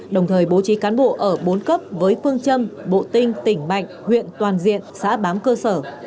đồng thời bố trí cán bộ ở bốn cấp với phương châm bộ tinh tỉnh mạnh huyện toàn diện xã bám cơ sở